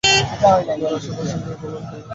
আপনার আপা প্রসঙ্গে বলুন, উনি কেমন মেয়ে?